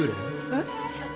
えっ？